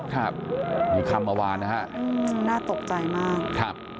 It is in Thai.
ครับมีคำมะวานนะฮะน่าตกใจมาก